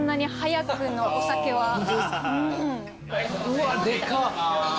うわっでかっ！